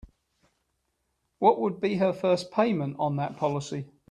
What would be her first payment on that policy?